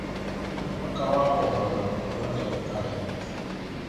Omubaka wa Omoro omulonde mu Paalamenti.